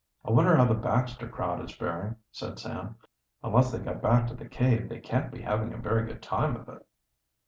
"I wonder how the Baxter crowd is faring," said Sam. "Unless they got back to the cave they can't be having a very good time of it."